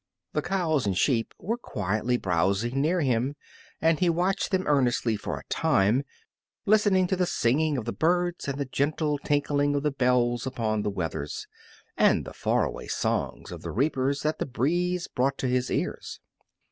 The cows and sheep were quietly browsing near him, and he watched them earnestly for a time, listening to the singing of the birds, and the gentle tinkling of the bells upon the wethers, and the far away songs of the reapers that the breeze brought to his ears.